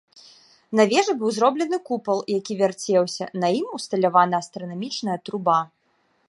На вежы быў зроблены купал, які вярцеўся, на ім усталявана астранамічная труба.